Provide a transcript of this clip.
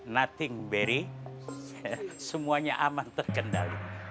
nothing very semuanya aman terkendali